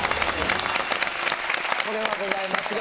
これはございますよね